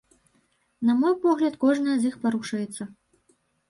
На мой погляд, кожнае з іх парушаецца.